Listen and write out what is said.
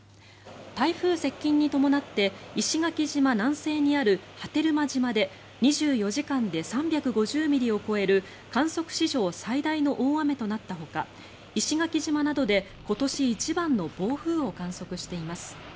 台風接近に伴って石垣島南西にある波照間島で２４時間で３５０ミリを超える観測史上最大の大雨となったほか石垣島などで今年一番の暴風を観測しています。